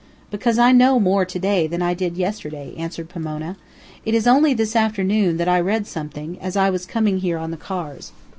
"Because I know more to day than I did yesterday," answered Pomona. "It is only this afternoon that I read something, as I was coming here on the cars.